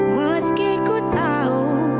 meski ku tahu